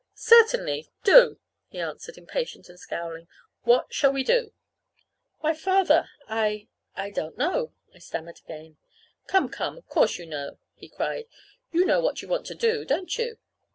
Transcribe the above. "Certainly, do," he answered, impatient and scowling. "What shall we do?" "Why, Father, I I don't know," I stammered again. "Come, come, of course you know!" he cried. "You know what you want to do, don't you?"